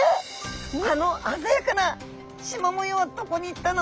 あのあざやかなしま模様はどこにいったの？」